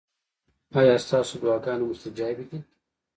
ایا ستاسو دعاګانې مستجابې دي؟